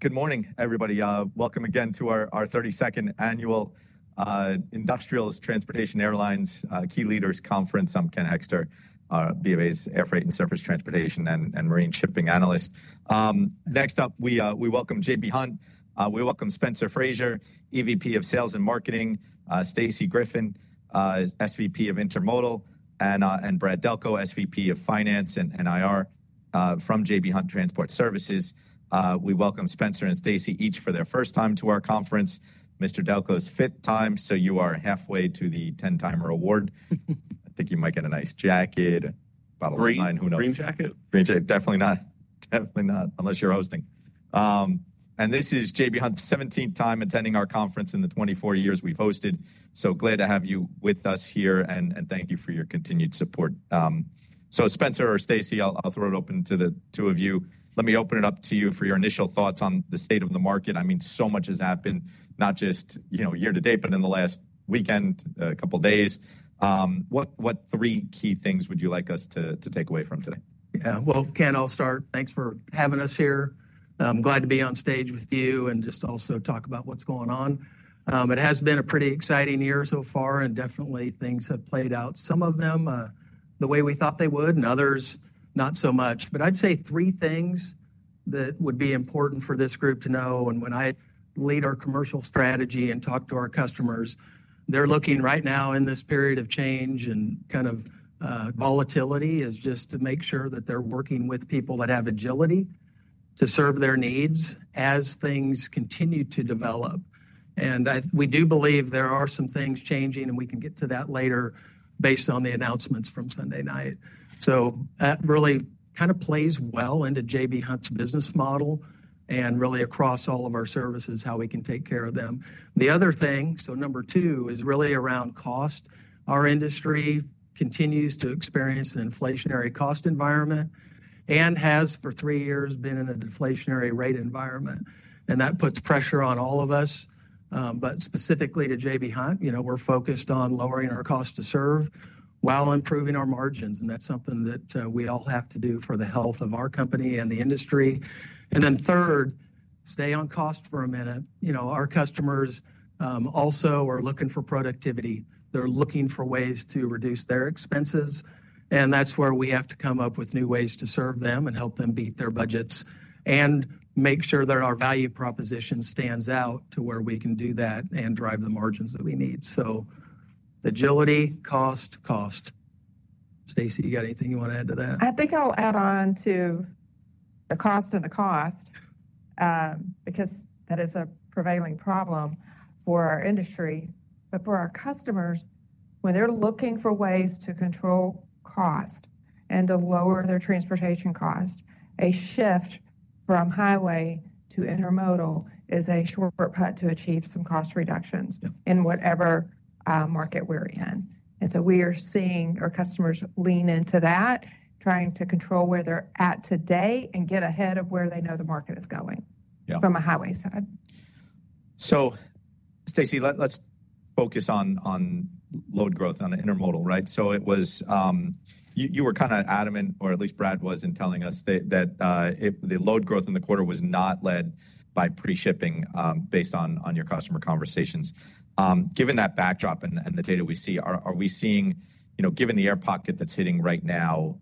Good morning, everybody. Welcome again to our 32nd Annual Industrials, Transportation, Airlines, Key Leaders Conference. I'm Ken Hoexter, B of A's Air Freight and Surface Transportation and Marine Shipping Analyst. Next up, we welcome J.B. Hunt, we welcome Spencer Frazier, EVP of Sales and Marketing, Stacy Griffin, SVP of Intermodal, and Brad Delco, SVP of Finance and IR from J.B. Hunt Transport Services. We welcome Spencer and Stacy each for their first time to our conference. Mr. Delco's fifth time, so you are halfway to the 10-timer award. I think you might get a nice jacket, bottle of wine, who knows? Green jacket? Green jacket, definitely not. Definitely not, unless you're hosting. This is J.B. Hunt's 17th time attending our conference in the 24 years we've hosted. Glad to have you with us here, and thank you for your continued support. Spencer or Stacy, I'll throw it open to the two of you. Let me open it up to you for your initial thoughts on the state of the market. I mean, so much has happened, not just year to date, but in the last weekend, a couple of days. What three key things would you like us to take away from today? Yeah, Ken, I'll start. Thanks for having us here. I'm glad to be on stage with you and just also talk about what's going on. It has been a pretty exciting year so far, and definitely things have played out, some of them the way we thought they would, and others not so much. I would say three things that would be important for this group to know. When I lead our commercial strategy and talk to our customers, they're looking right now in this period of change and kind of volatility just to make sure that they're working with people that have agility to serve their needs as things continue to develop. We do believe there are some things changing, and we can get to that later based on the announcements from Sunday night. That really kind of plays well into J.B. Hunt. Hunt's business model and really across all of our services, how we can take care of them. The other thing, so number two, is really around cost. Our industry continues to experience an inflationary cost environment and has for three years been in a deflationary rate environment. That puts pressure on all of us. Specifically to J.B. Hunt, we're focused on lowering our cost to serve while improving our margins. That's something that we all have to do for the health of our company and the industry. Then third, stay on cost for a minute. Our customers also are looking for productivity. They're looking for ways to reduce their expenses. That is where we have to come up with new ways to serve them and help them beat their budgets and make sure that our value proposition stands out to where we can do that and drive the margins that we need. Agility, cost, cost. Stacy, you got anything you want to add to that? I think I'll add on to the cost and the cost because that is a prevailing problem for our industry. For our customers, when they're looking for ways to control cost and to lower their transportation cost, a shift from highway to intermodal is a shortcut to achieve some cost reductions in whatever market we're in. We are seeing our customers lean into that, trying to control where they're at today and get ahead of where they know the market is going from a highway side. Stacy, let's focus on load growth on the intermodal, right? You were kind of adamant, or at least Brad was, in telling us that the load growth in the quarter was not led by pre-shipping based on your customer conversations. Given that backdrop and the data we see, are we seeing, given the air pocket that's hitting right now,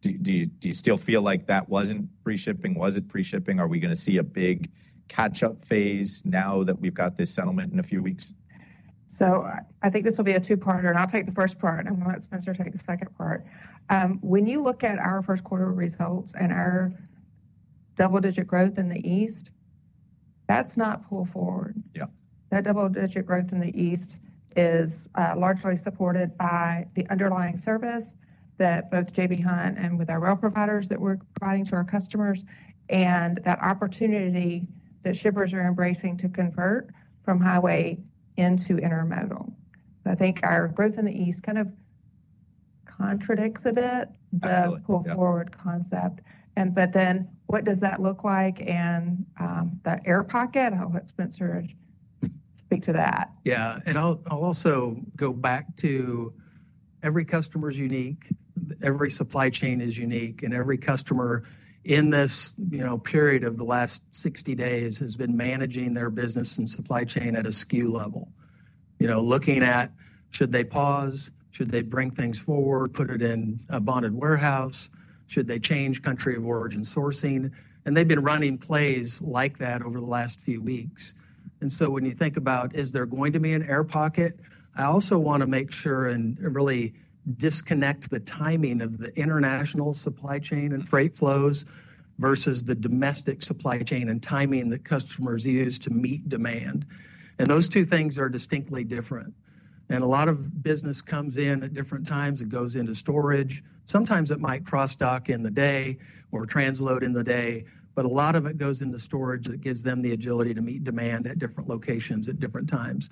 do you still feel like that was not pre-shipping? Was it pre-shipping? Are we going to see a big catch-up phase now that we have this settlement in a few weeks? I think this will be a two-parter. I'll take the first part, and I'll let Spencer take the second part. When you look at our first quarter results and our double-digit growth in the East, that's not pull forward. That double-digit growth in the East is largely supported by the underlying service that both J.B. Hunt and with our rail providers that we're providing to our customers and that opportunity that shippers are embracing to convert from highway into intermodal. I think our growth in the East kind of contradicts a bit the pull-forward concept. What does that look like and the air pocket? I'll let Spencer speak to that. Yeah. I'll also go back to every customer's unique. Every supply chain is unique. Every customer in this period of the last 60 days has been managing their business and supply chain at a SKU level, looking at should they pause, should they bring things forward, put it in a bonded warehouse, should they change country of origin sourcing. They've been running plays like that over the last few weeks. When you think about is there going to be an air pocket, I also want to make sure and really disconnect the timing of the international supply chain and freight flows versus the domestic supply chain and timing that customers use to meet demand. Those two things are distinctly different. A lot of business comes in at different times. It goes into storage. Sometimes it might cross-dock in the day or transload in the day. A lot of it goes into storage that gives them the agility to meet demand at different locations at different times.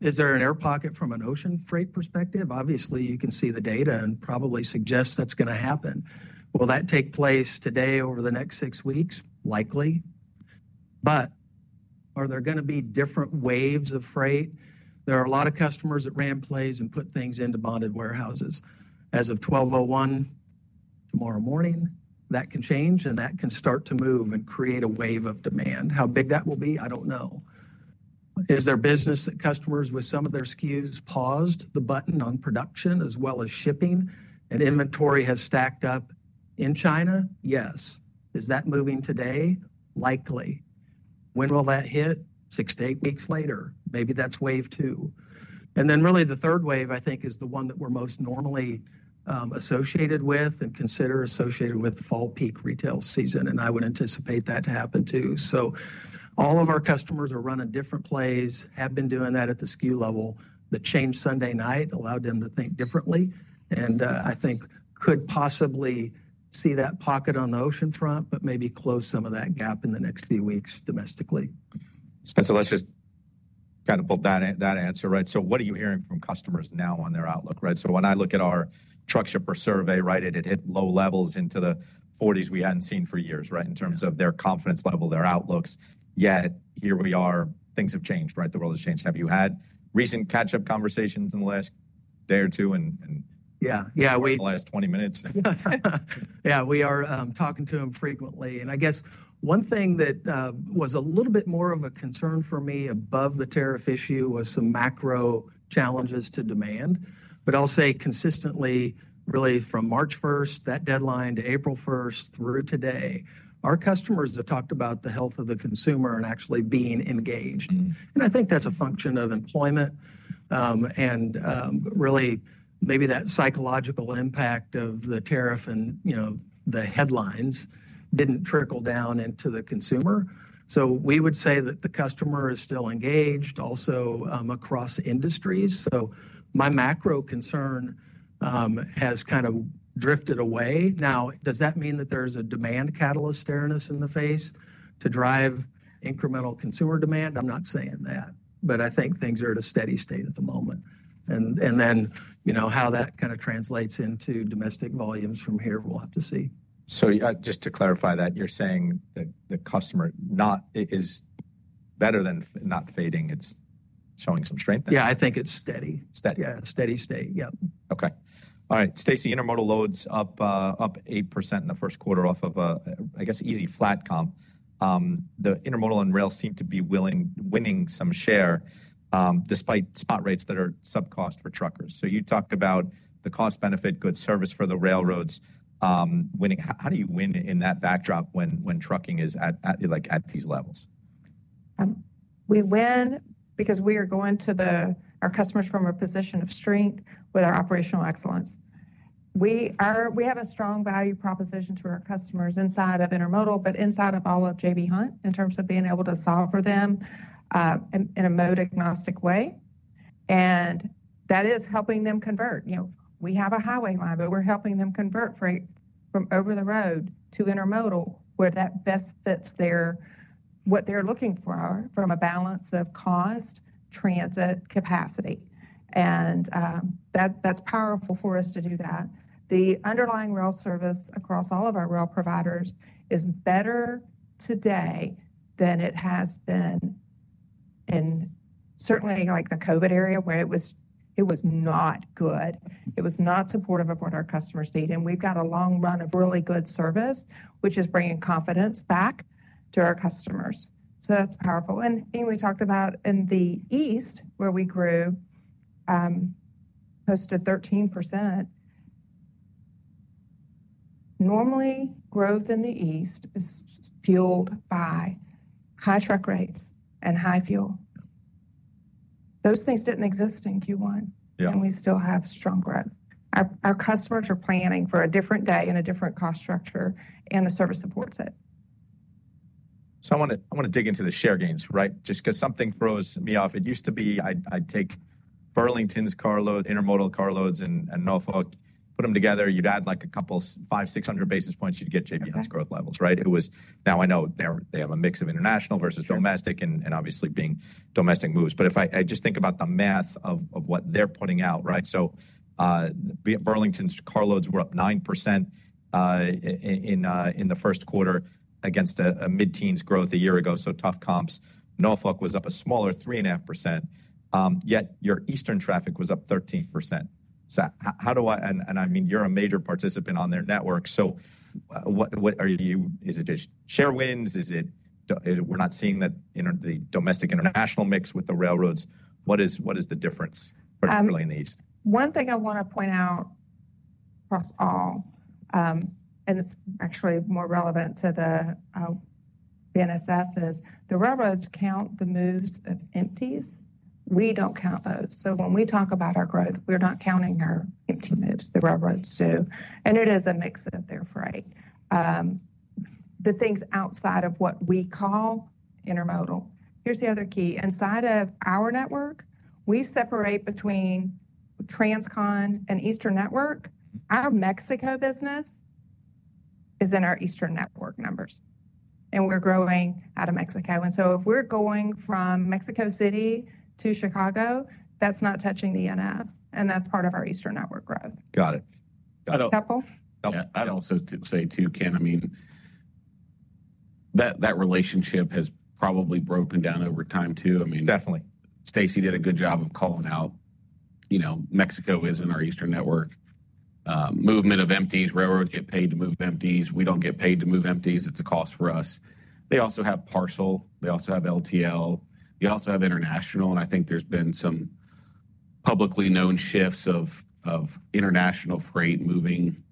Is there an air pocket from an ocean freight perspective? Obviously, you can see the data and probably suggest that's going to happen. Will that take place today over the next six weeks? Likely. Are there going to be different waves of freight? There are a lot of customers that ran plays and put things into bonded warehouses. As of 12/01, tomorrow morning, that can change, and that can start to move and create a wave of demand. How big that will be, I don't know. Is there business that customers with some of their SKUs paused the button on production as well as shipping and inventory has stacked up in China? Yes. Is that moving today? Likely. When will that hit? Six to eight weeks later. Maybe that is wave two. Really, the third wave, I think, is the one that we are most normally associated with and consider associated with fall peak retail season. I would anticipate that to happen too. All of our customers are running different plays, have been doing that at the SKU level. The change Sunday night allowed them to think differently and I think could possibly see that pocket on the oceanfront, but maybe close some of that gap in the next few weeks domestically. Spencer, let's just kind of pull that answer, right? What are you hearing from customers now on their outlook, right? When I look at our truck shipper survey, it hit low levels into the 40s we had not seen for years, in terms of their confidence level, their outlooks. Yet here we are, things have changed. The world has changed. Have you had recent catch-up conversations in the last day or two? Yeah, yeah. In the last 20 minutes? Yeah, we are talking to them frequently. I guess one thing that was a little bit more of a concern for me above the tariff issue was some macro challenges to demand. I'll say consistently, really from March 1, that deadline to April 1 through today, our customers have talked about the health of the consumer and actually being engaged. I think that's a function of employment. Really maybe that psychological impact of the tariff and the headlines did not trickle down into the consumer. We would say that the customer is still engaged also across industries. My macro concern has kind of drifted away. Now, does that mean that there's a demand catalyst, Darren, in the face to drive incremental consumer demand? I'm not saying that. I think things are at a steady state at the moment. How that kind of translates into domestic volumes from here, we'll have to see. Just to clarify that, you're saying that the customer is better than not fading. It's showing some strength there? Yeah, I think it's steady. Steady? Yeah, steady state. Yep. Okay. All right. Stacy, intermodal loads up 8% in the first quarter off of, I guess, easy flat comp. The intermodal and rail seem to be winning some share despite spot rates that are sub-cost for truckers. You talked about the cost-benefit, good service for the railroads winning. How do you win in that backdrop when trucking is at these levels? We win because we are going to our customers from a position of strength with our operational excellence. We have a strong value proposition to our customers inside of intermodal, but inside of all of J.B. Hunt in terms of being able to solve for them in a mode-agnostic way. That is helping them convert. We have a highway line, but we're helping them convert freight from over the road to intermodal where that best fits what they're looking for from a balance of cost, transit, capacity. That's powerful for us to do that. The underlying rail service across all of our rail providers is better today than it has been in certainly the COVID area where it was not good. It was not supportive of what our customers need. We've got a long run of really good service, which is bringing confidence back to our customers. That's powerful. We talked about in the East where we grew close to 13%. Normally, growth in the East is fueled by high truck rates and high fuel. Those things did not exist in Q1, and we still have strong growth. Our customers are planning for a different day and a different cost structure, and the service supports it. I want to dig into the share gains, right? Just because something throws me off. It used to be I'd take Burlington's carload, intermodal carloads and Norfolk, put them together. You'd add like a couple of 500, 600 basis points, you'd get J.B. Hunt's growth levels, right? It was now I know they have a mix of international versus domestic and obviously being domestic moves. If I just think about the math of what they're putting out, right? Burlington's carloads were up 9% in the first quarter against a mid-teens growth a year ago, so tough comps. Norfolk was up a smaller 3.5%. Yet your eastern traffic was up 13%. How do I—I mean, you're a major participant on their network. Is it just share wins? Is it we're not seeing the domestic international mix with the railroads? What is the difference particularly in the East? One thing I want to point out across all, and it's actually more relevant to the BNSF, is the railroads count the moves of empties. We do not count those. When we talk about our growth, we are not counting our empty moves. The railroads do. It is a mix of their freight, the things outside of what we call intermodal. Here is the other key. Inside of our network, we separate between transcon and eastern network. Our Mexico business is in our eastern network numbers. We are growing out of Mexico. If we are going from Mexico City to Chicago, that is not touching the Norfolk Southern. That is part of our eastern network growth. Got it. That's helpful. I'd also say too, Ken, I mean, that relationship has probably broken down over time too. I mean. Definitely. Stacy did a good job of calling out Mexico is in our eastern network. Movement of empties. Railroads get paid to move empties. We do not get paid to move empties. It is a cost for us. They also have parcel. They also have LTL. You also have international. I think there have been some publicly known shifts of international freight moving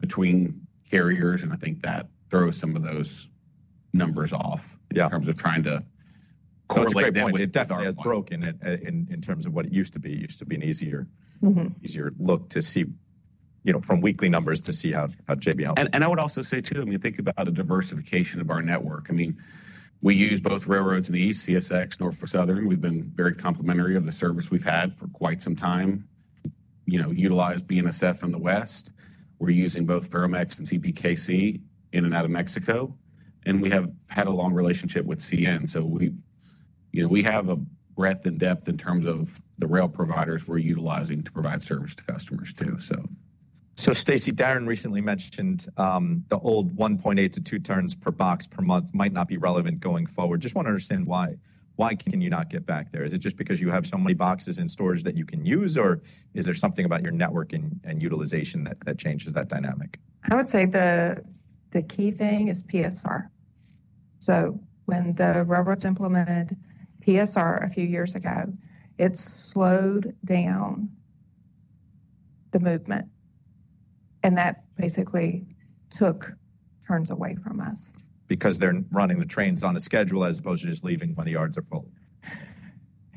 between carriers. I think that throws some of those numbers off in terms of trying to correlate them. It definitely has. Broken in terms of what it used to be. It used to be an easier look from weekly numbers to see how J.B. Hunt looks. I would also say too, I mean, think about the diversification of our network. I mean, we use both railroads in the East, CSX, Norfolk Southern. We've been very complimentary of the service we've had for quite some time. Utilize BNSF in the West. We're using both Ferromex and CPKC in and out of Mexico. We have had a long relationship with CN. We have a breadth and depth in terms of the rail providers we're utilizing to provide service to customers too. Stacy, Darren recently mentioned the old 1.8tons - 2 tons per box per month might not be relevant going forward. Just want to understand why. Why can you not get back there? Is it just because you have so many boxes in storage that you can use, or is there something about your network and utilization that changes that dynamic? I would say the key thing is PSR. When the railroads implemented PSR a few years ago, it slowed down the movement. That basically took turns away from us. Because they're running the trains on a schedule as opposed to just leaving when the yards are full.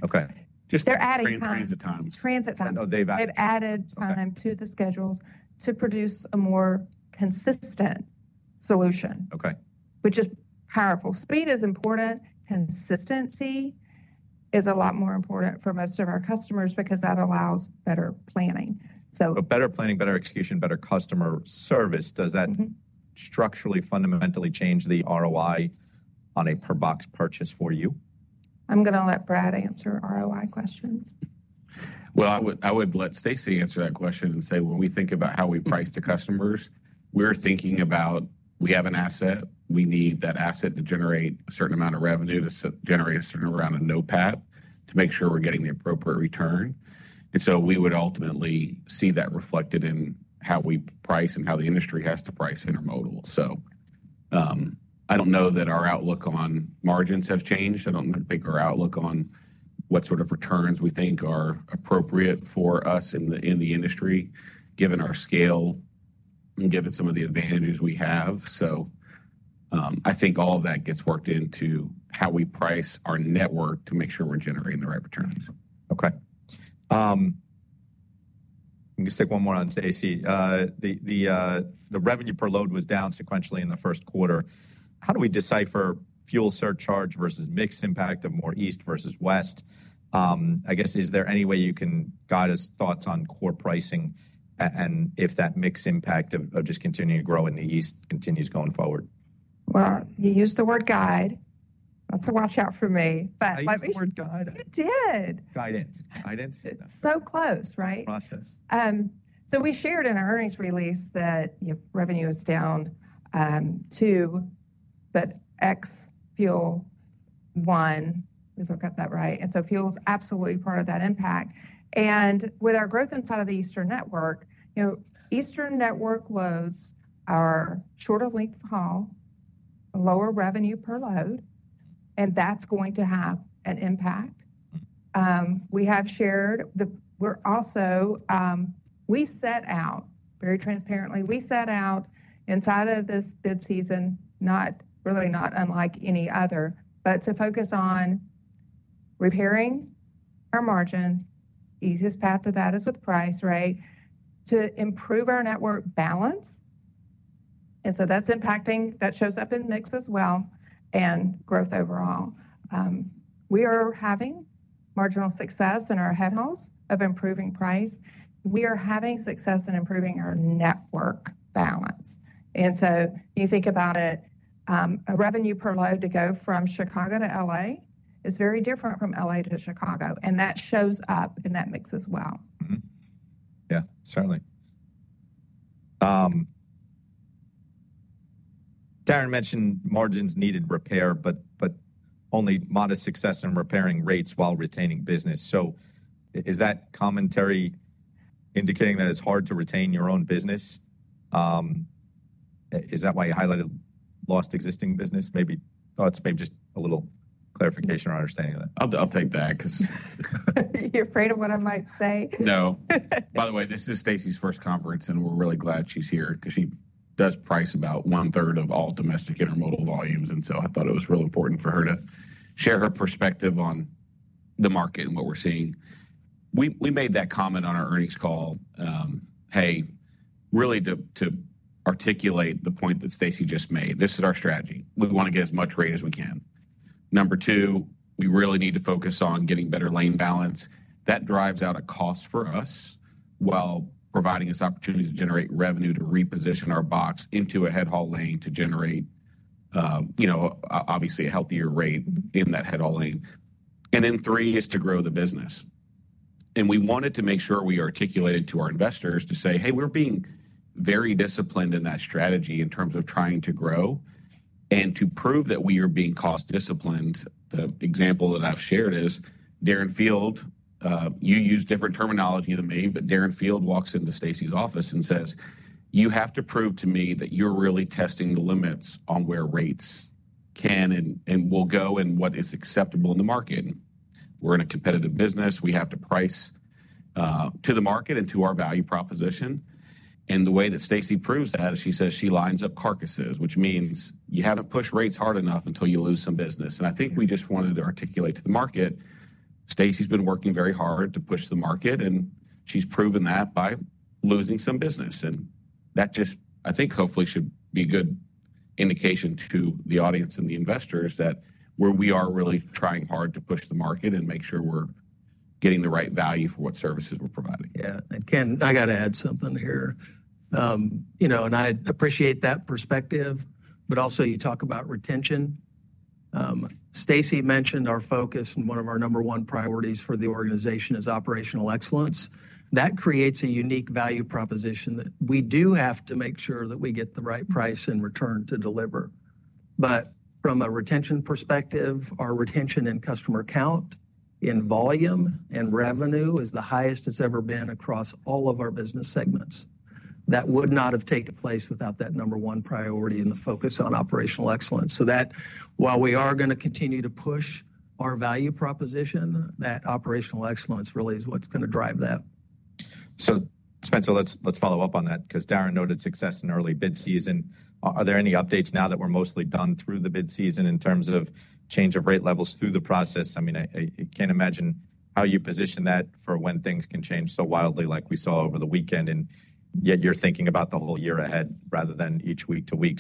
Okay. They're adding time. Transit time. Transit time. They've added time to the schedules to produce a more consistent solution, which is powerful. Speed is important. Consistency is a lot more important for most of our customers because that allows better planning. Better planning, better execution, better customer service. Does that structurally, fundamentally change the ROI on a per-box purchase for you? I'm going to let Brad answer ROI questions. I would let Stacy answer that question and say when we think about how we price to customers, we're thinking about we have an asset. We need that asset to generate a certain amount of revenue, to generate a certain amount of no-path, to make sure we're getting the appropriate return. We would ultimately see that reflected in how we price and how the industry has to price intermodal. I don't know that our outlook on margins have changed. I don't think our outlook on what sort of returns we think are appropriate for us in the industry, given our scale and given some of the advantages we have. I think all of that gets worked into how we price our network to make sure we're generating the right returns. Okay. Let me stick one more on Stacy. The revenue per load was down sequentially in the first quarter. How do we decipher fuel surcharge versus mix impact of more east versus west? I guess, is there any way you can guide us thoughts on core pricing and if that mix impact of just continuing to grow in the east continues going forward? You used the word guide. That's a watch out for me. But, I used the word guide. You did. Guidance. Guidance. It's so close, right? Process. We shared in our earnings release that revenue is down too, but ex fuel one. We forgot that, right? Fuel is absolutely part of that impact. With our growth inside of the eastern network, eastern network loads are shorter length haul, lower revenue per load, and that's going to have an impact. We have shared that we set out very transparently. We set out inside of this bid season, really not unlike any other, but to focus on repairing our margin. Easiest path to that is with price, right? To improve our network balance. That is impacting. That shows up in mix as well and growth overall. We are having marginal success in our head hauls of improving price. We are having success in improving our network balance. You think about it. A revenue per load to go from Chicago to LA is very different from LA to Chicago. That shows up in that mix as well. Yeah, certainly. Darren mentioned margins needed repair, but only modest success in repairing rates while retaining business. Is that commentary indicating that it's hard to retain your own business? Is that why you highlighted lost existing business? Maybe thoughts, maybe just a little clarification or understanding of that. I'll take that because. You're afraid of what I might say? No. By the way, this is Stacy's first conference, and we're really glad she's here because she does price about one-third of all domestic intermodal volumes. I thought it was really important for her to share her perspective on the market and what we're seeing. We made that comment on our earnings call, hey, really to articulate the point that Stacy just made. This is our strategy. We want to get as much rate as we can. Number two, we really need to focus on getting better lane balance. That drives out a cost for us while providing us opportunities to generate revenue to reposition our box into a head haul lane to generate obviously a healthier rate in that head haul lane. Three is to grow the business. We wanted to make sure we articulated to our investors to say, "Hey, we're being very disciplined in that strategy in terms of trying to grow." To prove that we are being cost disciplined, the example that I've shared is Darren Field, you use different terminology than me, but Darren Field walks into Stacy's office and says, "You have to prove to me that you're really testing the limits on where rates can and will go and what is acceptable in the market. We're in a competitive business. We have to price to the market and to our value proposition." The way that Stacy proves that, she says she lines up carcasses, which means you haven't pushed rates hard enough until you lose some business. I think we just wanted to articulate to the market, Stacy's been working very hard to push the market, and she's proven that by losing some business. That just, I think hopefully should be a good indication to the audience and the investors that we are really trying hard to push the market and make sure we're getting the right value for what services we're providing. Yeah. Ken, I got to add something here. I appreciate that perspective, but also you talk about retention. Stacy mentioned our focus and one of our number one priorities for the organization is operational excellence. That creates a unique value proposition that we do have to make sure that we get the right price and return to deliver. From a retention perspective, our retention and customer count in volume and revenue is the highest it has ever been across all of our business segments. That would not have taken place without that number one priority in the focus on operational excellence. While we are going to continue to push our value proposition, that operational excellence really is what is going to drive that. Spencer, let's follow up on that because Darren noted success in early bid season. Are there any updates now that we're mostly done through the bid season in terms of change of rate levels through the process? I mean, I can't imagine how you position that for when things can change so wildly like we saw over the weekend, and yet you're thinking about the whole year ahead rather than each week to week.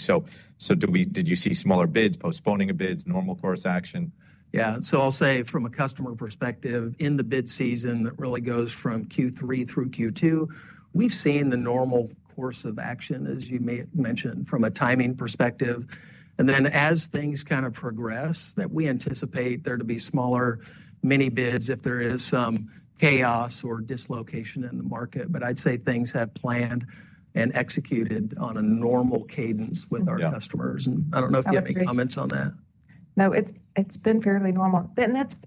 Did you see smaller bids, postponing of bids, normal course action? Yeah. I'll say from a customer perspective in the bid season that really goes from Q3 through Q2, we've seen the normal course of action, as you mentioned, from a timing perspective. As things kind of progress, we anticipate there to be smaller mini bids if there is some chaos or dislocation in the market. I'd say things have planned and executed on a normal cadence with our customers. I don't know if you have any comments on that. No, it's been fairly normal. That's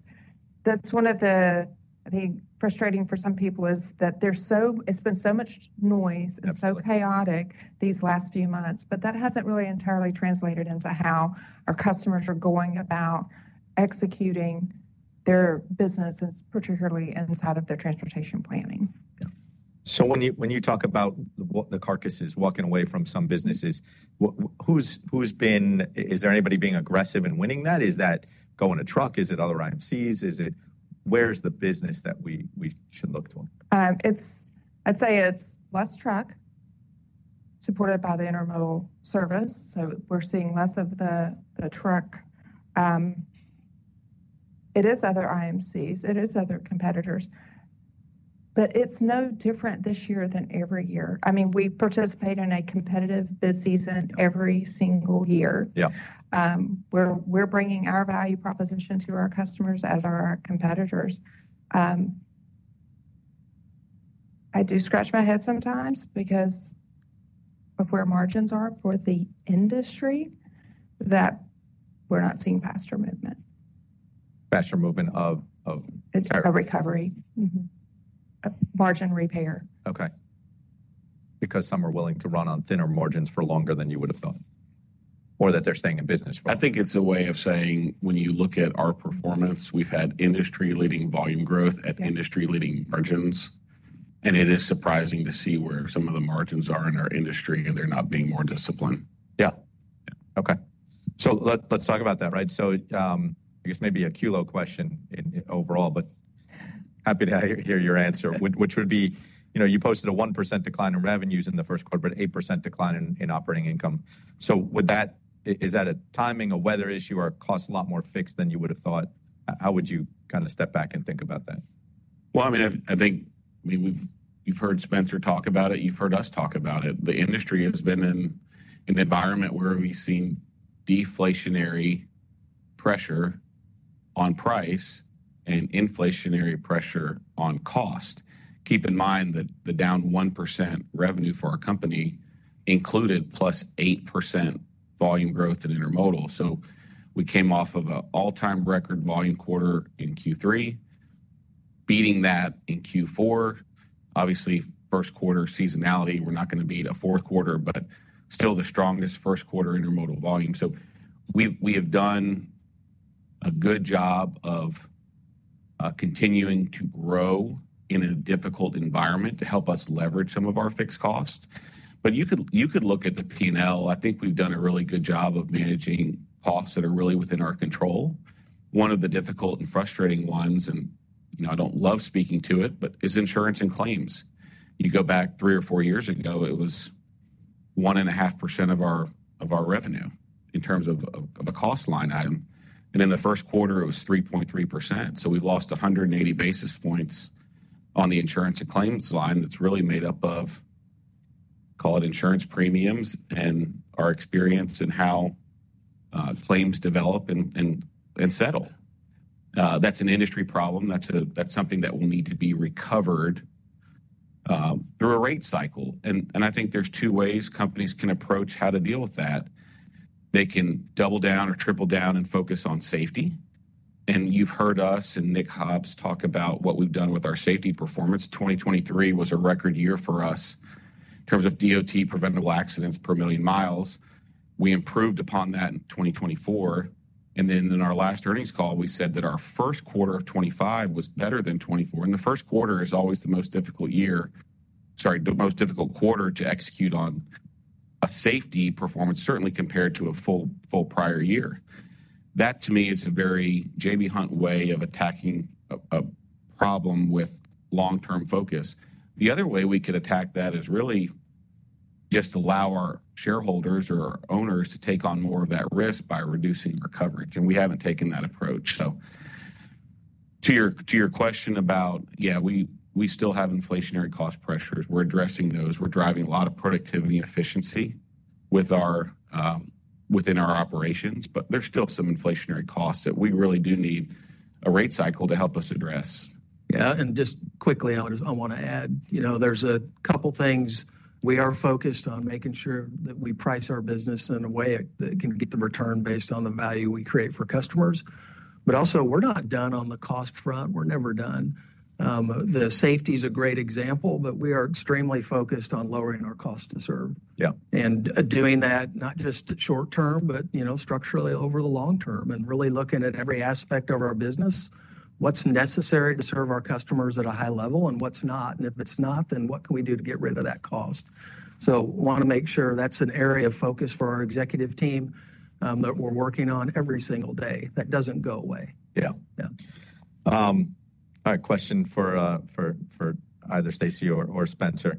one of the, I think, frustrating for some people is that there's so it's been so much noise and so chaotic these last few months, but that hasn't really entirely translated into how our customers are going about executing their business, particularly inside of their transportation planning. When you talk about the carcasses walking away from some businesses, who's been, is there anybody being aggressive in winning that? Is that going to truck? Is it other IMCs? Where's the business that we should look to? I'd say it's less truck supported by the intermodal service. We're seeing less of the truck. It is other IMCs. It is other competitors. It's no different this year than every year. I mean, we participate in a competitive bid season every single year. We're bringing our value proposition to our customers as our competitors. I do scratch my head sometimes because of where margins are for the industry that we're not seeing faster movement. Faster movement of. It's a recovery. Margin repair. Okay. Because some are willing to run on thinner margins for longer than you would have thought, or that they're staying in business for. I think it's a way of saying when you look at our performance, we've had industry-leading volume growth at industry-leading margins. It is surprising to see where some of the margins are in our industry and they're not being more disciplined. Yeah. Okay. Let's talk about that, right? I guess maybe a Kilo question overall, but happy to hear your answer, which would be you posted a 1% decline in revenues in the first quarter, but 8% decline in operating income. Is that a timing, a weather issue, or a cost a lot more fixed than you would have thought? How would you kind of step back and think about that? I mean, I think we've heard Spencer talk about it. You've heard us talk about it. The industry has been in an environment where we've seen deflationary pressure on price and inflationary pressure on cost. Keep in mind that the down 1% revenue for our company included plus 8% volume growth in intermodal. We came off of an all-time record volume quarter in Q3, beating that in Q4. Obviously, first quarter seasonality, we're not going to beat a fourth quarter, but still the strongest first quarter intermodal volume. We have done a good job of continuing to grow in a difficult environment to help us leverage some of our fixed costs. You could look at the P&L. I think we've done a really good job of managing costs that are really within our control. One of the difficult and frustrating ones, and I do not love speaking to it, but is insurance and claims. You go back three or four years ago, it was 1.5% of our revenue in terms of a cost line item. In the first quarter, it was 3.3%. We have lost 180 basis points on the insurance and claims line that is really made up of, call it insurance premiums and our experience and how claims develop and settle. That is an industry problem. That is something that will need to be recovered through a rate cycle. I think there are two ways companies can approach how to deal with that. They can double down or triple down and focus on safety. You have heard us and Nick Hobbs talk about what we have done with our safety performance. 2023 was a record year for us in terms of DOT preventable accidents per million miles. We improved upon that in 2024. In our last earnings call, we said that our first quarter of 2025 was better than 2024. The first quarter is always the most difficult quarter to execute on a safety performance, certainly compared to a full prior year. That, to me, is a very J.B. Hunt way of attacking a problem with long-term focus. The other way we could attack that is really just allow our shareholders or owners to take on more of that risk by reducing our coverage. We have not taken that approach. To your question about, yeah, we still have inflationary cost pressures. We are addressing those. We're driving a lot of productivity and efficiency within our operations, but there's still some inflationary costs that we really do need a rate cycle to help us address. Yeah. Just quickly, I want to add, there's a couple of things. We are focused on making sure that we price our business in a way that can get the return based on the value we create for customers. Also, we're not done on the cost front. We're never done. The safety is a great example, but we are extremely focused on lowering our cost to serve. Doing that, not just short term, but structurally over the long term and really looking at every aspect of our business, what's necessary to serve our customers at a high level and what's not. If it's not, then what can we do to get rid of that cost? I want to make sure that's an area of focus for our executive team that we're working on every single day. That doesn't go away. Yeah. Yeah. All right. Question for either Stacy or Spencer.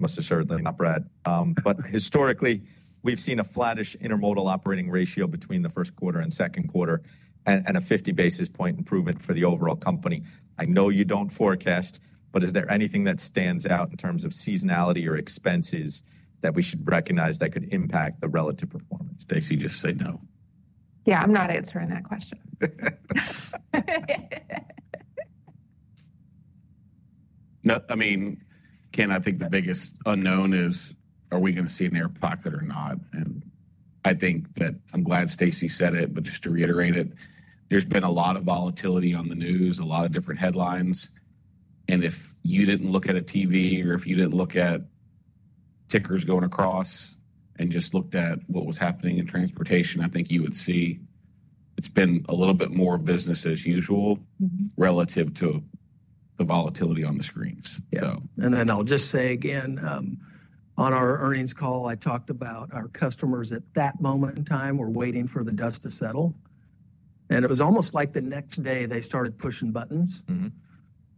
Must assure them up, Brad. But historically, we've seen a flattish intermodal operating ratio between the first quarter and second quarter and a 50 basis point improvement for the overall company. I know you don't forecast, but is there anything that stands out in terms of seasonality or expenses that we should recognize that could impact the relative performance? Stacy, just say no. Yeah, I'm not answering that question. I mean, Ken, I think the biggest unknown is, are we going to see an air pocket or not? I think that I'm glad Stacy said it, but just to reiterate it, there's been a lot of volatility on the news, a lot of different headlines. If you did not look at a TV or if you did not look at tickers going across and just looked at what was happening in transportation, I think you would see it's been a little bit more business as usual relative to the volatility on the screens. Yeah. I talked about on our earnings call, our customers at that moment in time were waiting for the dust to settle. It was almost like the next day they started pushing buttons,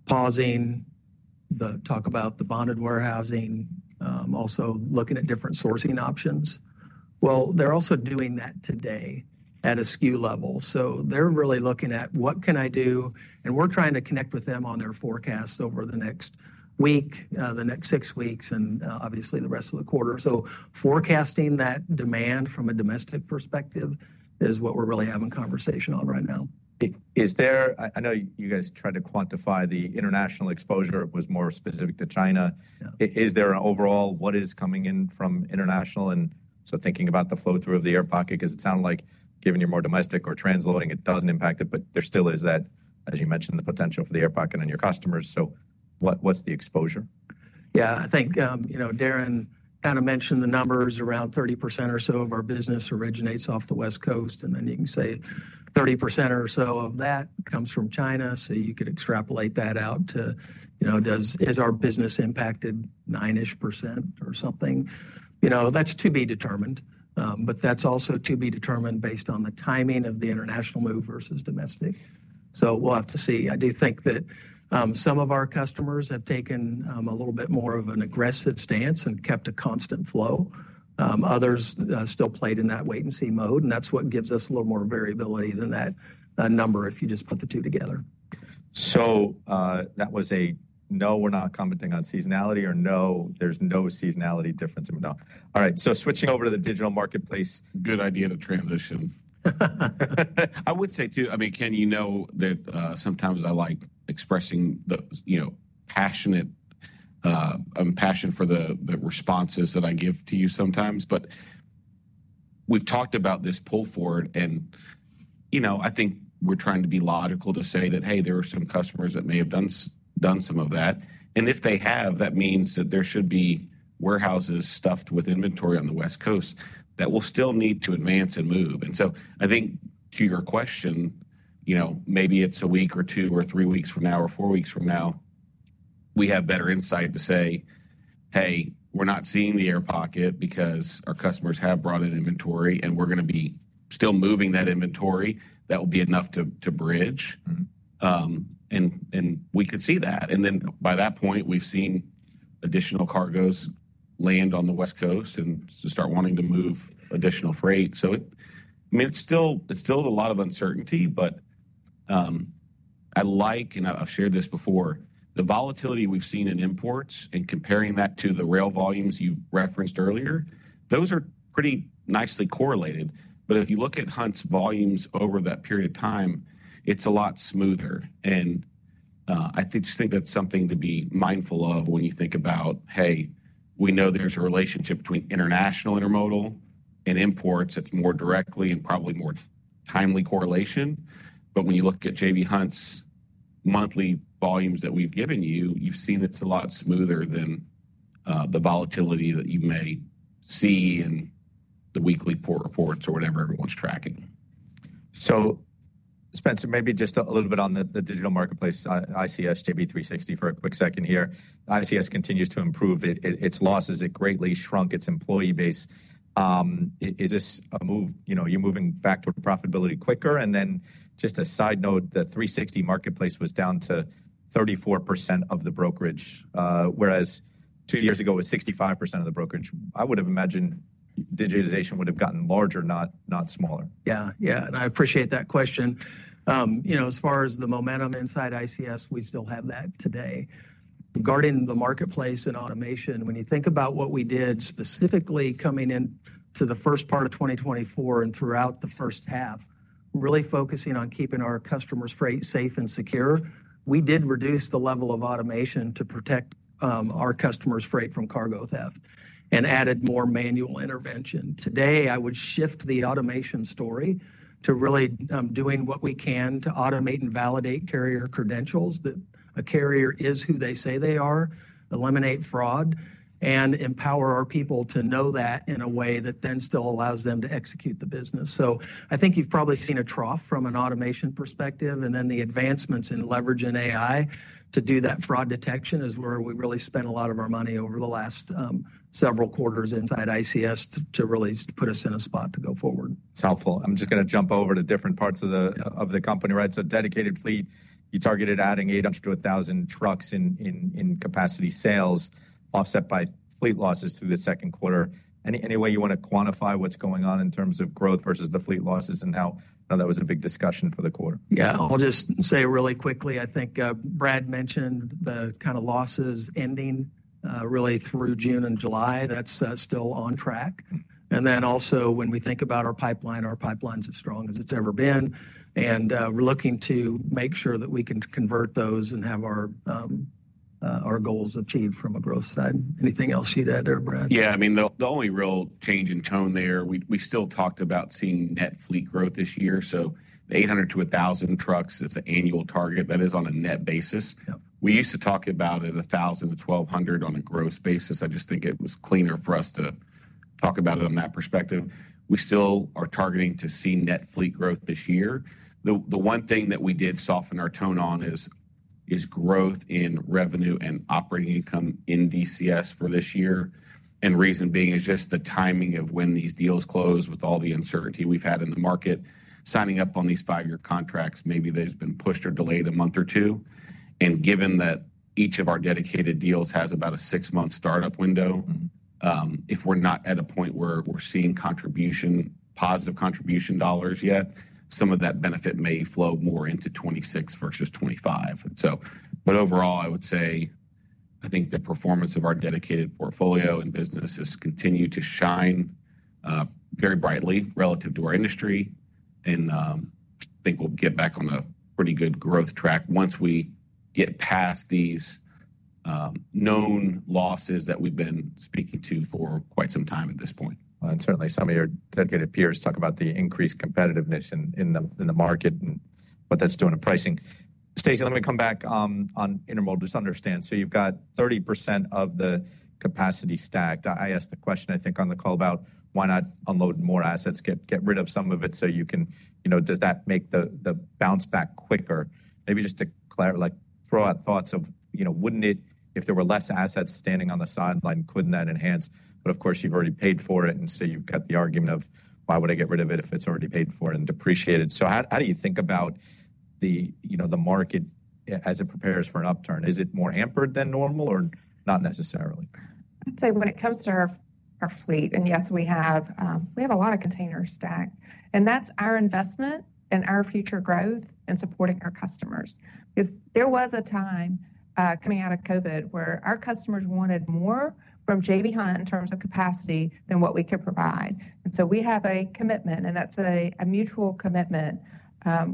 pausing the talk about the bonded warehousing, also looking at different sourcing options. They're also doing that today at a SKU level. They're really looking at what can I do? We're trying to connect with them on their forecasts over the next week, the next six weeks, and obviously the rest of the quarter. Forecasting that demand from a domestic perspective is what we're really having conversation on right now. I know you guys tried to quantify the international exposure. It was more specific to China. Is there an overall, what is coming in from international? Thinking about the flow through of the air pocket, because it sounded like given your more domestic or transloading, it does not impact it, but there still is that, as you mentioned, the potential for the air pocket on your customers. What is the exposure? Yeah. I think Darren kind of mentioned the numbers around 30% or so of our business originates off the West Coast. You can say 30% or so of that comes from China. You could extrapolate that out to, is our business impacted 9%-ish or something? That is to be determined, but that is also to be determined based on the timing of the international move versus domestic. We will have to see. I do think that some of our customers have taken a little bit more of an aggressive stance and kept a constant flow. Others still played in that wait-and-see mode. That is what gives us a little more variability than that number if you just put the two together. That was a no, we're not commenting on seasonality or no, there's no seasonality difference in McDonald's. All right. Switching over to the digital marketplace. Good idea to transition. I would say too, I mean, Ken, you know that sometimes I like expressing the passionate passion for the responses that I give to you sometimes. But we've talked about this pull forward. I think we're trying to be logical to say that, hey, there are some customers that may have done some of that. If they have, that means that there should be warehouses stuffed with inventory on the West Coast that will still need to advance and move. I think to your question, maybe it's a week or two or three weeks from now or four weeks from now, we have better insight to say, hey, we're not seeing the air pocket because our customers have brought in inventory and we're going to be still moving that inventory. That will be enough to bridge. We could see that. By that point, we've seen additional cargoes land on the West Coast and start wanting to move additional freight. I mean, it's still a lot of uncertainty, but I like, and I've shared this before, the volatility we've seen in imports and comparing that to the rail volumes you referenced earlier, those are pretty nicely correlated. If you look at Hunt's volumes over that period of time, it's a lot smoother. I just think that's something to be mindful of when you think about, hey, we know there's a relationship between international intermodal and imports. It's a more direct and probably more timely correlation. When you look at J.B. Hunt's monthly volumes that we've given you, you've seen it's a lot smoother than the volatility that you may see in the weekly port reports or whatever everyone's tracking. Spencer, maybe just a little bit on the digital marketplace. ICS, JB360 for a quick second here. ICS continues to improve. Its losses have greatly shrunk its employee base. Is this a move? You're moving back to profitability quicker. Just a side note, the 360 marketplace was down to 34% of the brokerage, whereas two years ago it was 65% of the brokerage. I would have imagined digitization would have gotten larger, not smaller. Yeah. Yeah. I appreciate that question. As far as the momentum inside ICS, we still have that today. Regarding the marketplace and automation, when you think about what we did specifically coming into the first part of 2024 and throughout the first half, really focusing on keeping our customers' freight safe and secure, we did reduce the level of automation to protect our customers' freight from cargo theft and added more manual intervention. Today, I would shift the automation story to really doing what we can to automate and validate carrier credentials that a carrier is who they say they are, eliminate fraud, and empower our people to know that in a way that then still allows them to execute the business. I think you've probably seen a trough from an automation perspective, and then the advancements in leveraging AI to do that fraud detection is where we really spent a lot of our money over the last several quarters inside ICS to really put us in a spot to go forward. It's helpful. I'm just going to jump over to different parts of the company, right? So dedicated fleet, you targeted adding 800-1,000 trucks in capacity sales, offset by fleet losses through the second quarter. Any way you want to quantify what's going on in terms of growth versus the fleet losses and how that was a big discussion for the quarter? Yeah. I'll just say really quickly, I think Brad mentioned the kind of losses ending really through June and July. That's still on track. Also, when we think about our pipeline, our pipeline's as strong as it's ever been. We're looking to make sure that we can convert those and have our goals achieved from a growth side. Anything else you'd add there, Brad? Yeah. I mean, the only real change in tone there, we still talked about seeing net fleet growth this year. The 800-1,000 trucks, it's an annual target that is on a net basis. We used to talk about it at 1,000-1,200 on a gross basis. I just think it was cleaner for us to talk about it on that perspective. We still are targeting to see net fleet growth this year. The one thing that we did soften our tone on is growth in revenue and operating income in DCS for this year. The reason being is just the timing of when these deals close with all the uncertainty we've had in the market. Signing up on these five-year contracts, maybe they've been pushed or delayed a month or two. Given that each of our dedicated deals has about a six-month startup window, if we're not at a point where we're seeing positive contribution dollars yet, some of that benefit may flow more into 2026 versus 2025. Overall, I would say I think the performance of our dedicated portfolio and business has continued to shine very brightly relative to our industry. I think we'll get back on a pretty good growth track once we get past these known losses that we've been speaking to for quite some time at this point. Certainly some of your dedicated peers talk about the increased competitiveness in the market and what that's doing to pricing. Stacy, let me come back on intermodal. Just understand. You've got 30% of the capacity stacked. I asked a question, I think, on the call about why not unload more assets, get rid of some of it so you can—does that make the bounce back quicker? Maybe just to throw out thoughts of, wouldn't it, if there were less assets standing on the sideline, couldn't that enhance? Of course, you've already paid for it. You've got the argument of, why would I get rid of it if it's already paid for and depreciated? How do you think about the market as it prepares for an upturn? Is it more hampered than normal or not necessarily? I'd say when it comes to our fleet, and yes, we have a lot of containers stacked, and that's our investment and our future growth and supporting our customers. Because there was a time coming out of COVID where our customers wanted more from J.B. Hunt in terms of capacity than what we could provide. We have a commitment, and that's a mutual commitment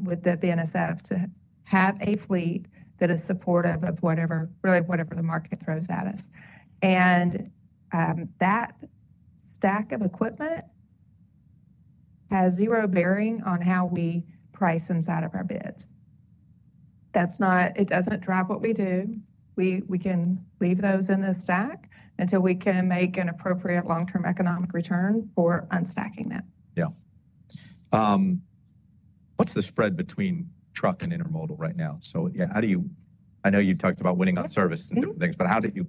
with BNSF to have a fleet that is supportive of whatever the market throws at us. That stack of equipment has zero bearing on how we price inside of our bids. It doesn't drive what we do. We can leave those in the stack until we can make an appropriate long-term economic return for unstacking that. Yeah. What's the spread between truck and intermodal right now? Yeah, how do you, I know you talked about winning on service and different things, but how do you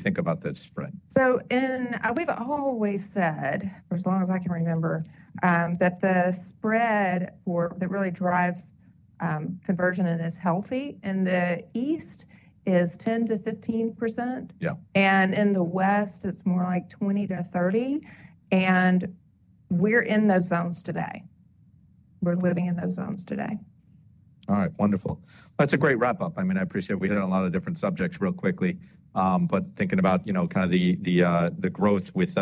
think about that spread? We've always said, for as long as I can remember, that the spread that really drives conversion and is healthy in the East is 10-15%. In the West, it's more like 20-30%. We're in those zones today. We're living in those zones today. All right. Wonderful. That's a great wrap-up. I mean, I appreciate we hit on a lot of different subjects real quickly. But thinking about kind of the growth with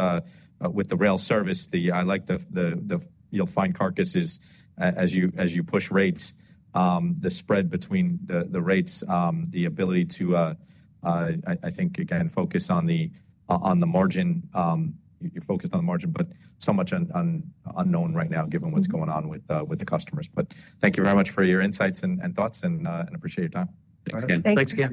the rail service, I like the you'll find carcasses as you push rates, the spread between the rates, the ability to, I think, again, focus on the margin. You're focused on the margin, but so much unknown right now given what's going on with the customers. But thank you very much for your insights and thoughts, and I appreciate your time. Thanks, Ken. Thanks.